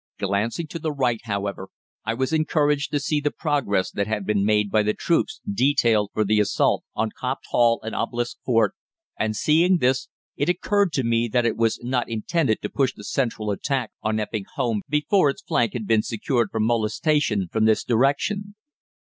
Glancing to the right, however, I was encouraged to see the progress that had been made by the troops detailed for the assault on Copped Hall and Obelisk Fort, and seeing this, it occurred to me that it was not intended to push the central attack on Epping home before its flank had been secured from molestation from this direction.